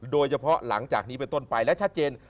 โดยเฉพาะหลังจากนี้เป็นต้นไปและชัดเจน